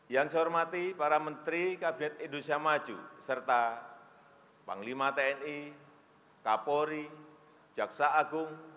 yang saya hormati para menteri kabinet indonesia maju serta panglima tni kapolri jaksa agung